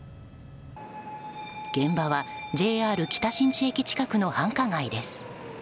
現場は、ＪＲ北新地駅近くの繁華街です。